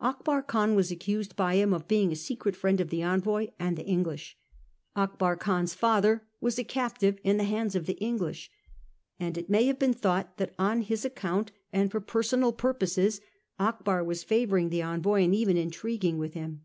Akbar Khan was accused by him of being a secret friend of the envoy and the English. Akbar Khan's father was a captive in the hands of the English, and it may have been thought that on his account and for personal purposes Akbar was favour ing the envoy and even intriguing with him.